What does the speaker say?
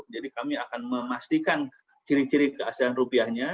jadi kami akan memastikan kiri kiri keasian rupiahnya